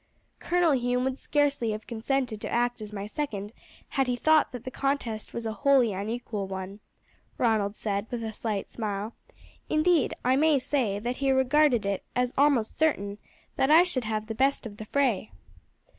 "Colonel Hume would scarcely have consented to act as my second had he thought that the contest was a wholly unequal one," Ronald said with a slight smile; "indeed I may say that he regarded it as almost certain that I should have the best of the fray."